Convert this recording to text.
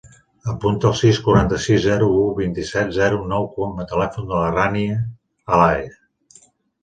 Apunta el sis, quaranta-sis, zero, u, vint-i-set, zero, nou com a telèfon de la Rània Alaez.